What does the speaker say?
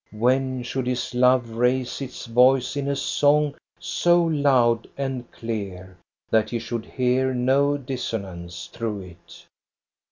When should his love raise its voice in a song so loud and clear that he should hear no dissonance through it?